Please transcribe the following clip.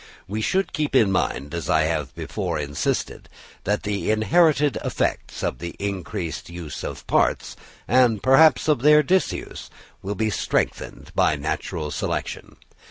We should keep in mind, as I have before insisted, that the inherited effects of the increased use of parts, and perhaps of their disuse, will be strengthened by natural selection.